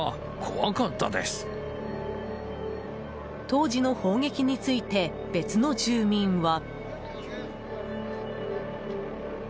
当時の砲撃について別の住民は。